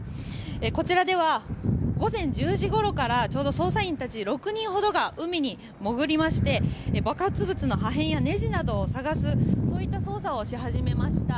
こちらでは午前１０時ごろからちょうど捜査員たち６人ぐらいが海に潜りまして爆発物の破片やねじなどを探すそういった捜査をし始めました。